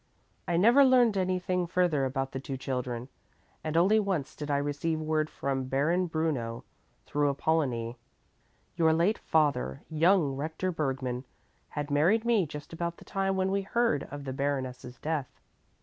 I never learned anything further about the two children, and only once did I receive word from Baron Bruno through Apollonie. Your late father, young Rector Bergmann, had married me just about the time when we heard of the Baroness's death.